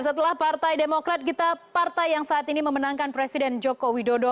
setelah partai demokrat kita partai yang saat ini memenangkan presiden joko widodo